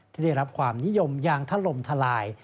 ได้รับความนิยมอย่างทะลมทลาย